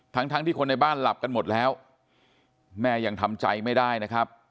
ทั้งทั้งที่คนในบ้านหลับกันหมดแล้วแม่ยังทำใจไม่ได้นะครับ